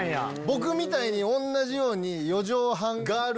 僕みたいに同じように。